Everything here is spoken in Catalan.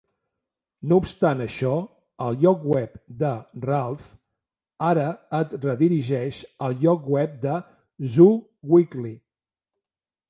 No obstant això, el lloc web de "Ralph" ara et redirigeix al lloc web de "Zoo Weekly".